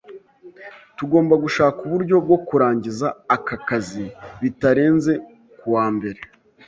Tugomba gushaka uburyo bwo kurangiza aka kazi bitarenze kuwa mbere.